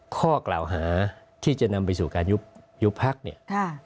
ข้อกล่าวหาที่จะนำไปสู่การยุบพักเนี่ย